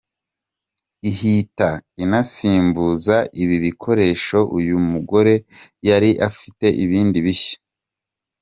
ihita inasimbuza ibi bikoresho uyu mugore yari afite ibindi bishya.